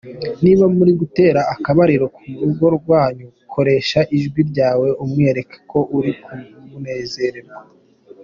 Niba muri gutera akabariro ku rugo rwanyu koresha ijwi ryawe umwereke ko uri kunezerwa.